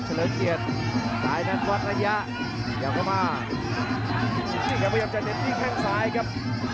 เฉลิมเกียจากซ้ายตีซ้ายตีซ้ายมาเป็นชุดเลยครับ